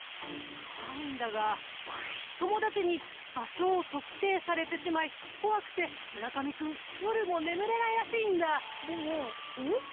かわいいんだが友達に場所を特定されてしまい怖くて村上君夜も眠れないらしいんだ。